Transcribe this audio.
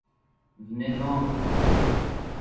Venez donc.